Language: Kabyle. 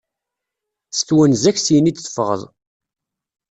S twenza-k syen i d-teffɣeḍ